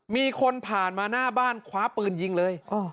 มีคนผ่านมาหน้าบ้านคว้าปืนยิงเลย